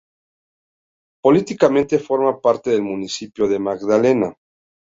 Políticamente forma parte del municipio de Magdalena.